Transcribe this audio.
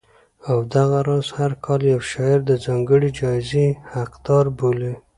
او دغه راز هر کال یو شاعر د ځانګړې جایزې حقدار بولي